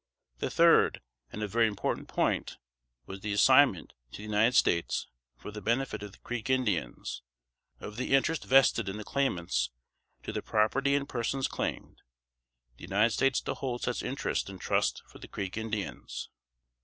The third, and a very important point was the assignment to the United States, for the benefit of the Creek Indians, of the interest vested in the claimants to the property and persons claimed the United States to hold such interest in trust for the Creek Indians.